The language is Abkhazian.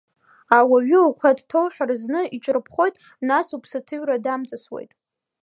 Ауаҩы укәа дҭоуҳәҳәр, зны иҽырԥхоит, нас уԥсаҭыҩра дамҵасуеит.